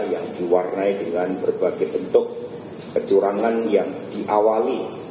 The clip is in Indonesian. yang diwarnai dengan berbagai bentuk kecurangan yang diawali